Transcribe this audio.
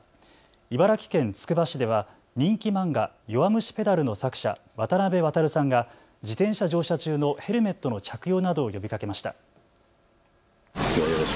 茨城県つくば市では人気漫画、弱虫ペダルの作者、渡辺航さんが自転車乗車中のヘルメットの着用などを呼びかけました。